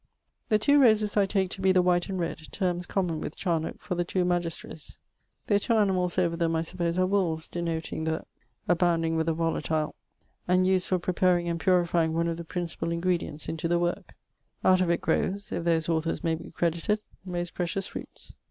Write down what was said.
The two roses I take to be the white and red, termes common with Charnocke for the two magisteries. The two animals over them I suppose are wolves, denoting the ♁; abounding with a volatile ☉ and used for preparing and purifying one of the principal ingredients into the worke. Out of it growes (if those authors may be credited) most precious fruits.